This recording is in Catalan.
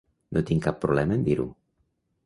No tinc cap problema en dir-ho.